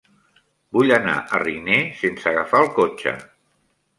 Vull anar a Riner sense agafar el cotxe.